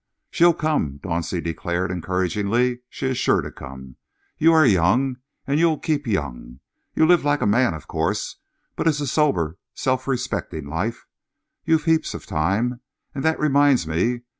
"She'll come," Dauncey declared encouragingly. "She is sure to come. You are young and you'll keep young. You live like a man, of course, but it's a sober, self respecting life. You've heaps of time. And that reminds me.